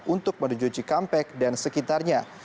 untuk menuju cikampek dan sekitarnya